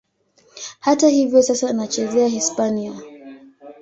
Hata hivyo, sasa anacheza Hispania.